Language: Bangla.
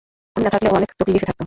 আমি না থাকলে, ও অনেক তকলিফে থাকতো।